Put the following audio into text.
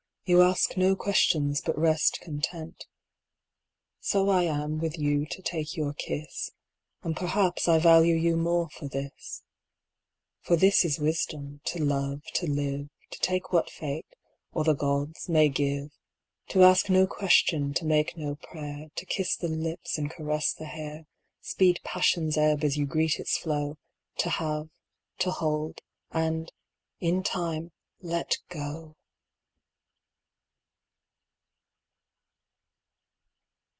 You ask no questions, but rest content. So I am with you to take your kiss, 13 The Teak And perhaps I value you more for this. Forest For this is Wisdom; to love, to live, To take what Fate, or the Gods, may give, To ask no question, to make no prayer, To kiss the lips and caress the hair, Speed passion's ebb as you greet its flow, To have, to hold, and, in time, let go!